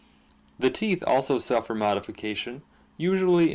The teeth also suffer modification, usually in the Fig.